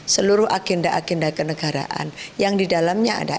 seluruh agenda agenda ke negara